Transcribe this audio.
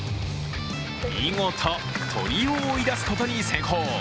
見事、鳥を追い出すことに成功。